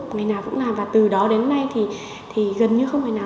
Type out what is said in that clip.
ngày nào cũng làm và từ đó đến nay thì gần như không phải nào